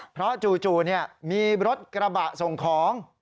เพราะจู่มีรถกระบะส่งของ